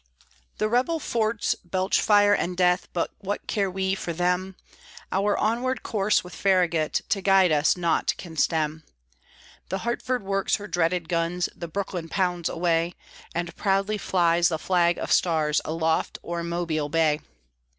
The rebel forts belch fire and death, But what care we for them? Our onward course, with Farragut To guide us, nought can stem. The Hartford works her dreaded guns, The Brooklyn pounds away, And proudly flies the flag of stars Aloft o'er Mobile Bay.